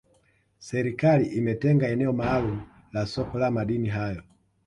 serikali imetenga eneo maalumu la soko la madini hayo